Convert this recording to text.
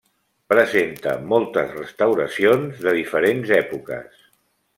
Presenta moltes restauracions de diferents èpoques.